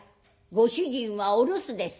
ご主人はお留守ですか？」。